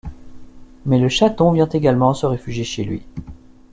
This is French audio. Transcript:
Mais le chaton vient également se réfugier chez lui.